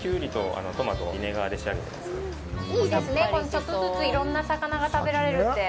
ちょっとずついろんなお魚が食べられるって。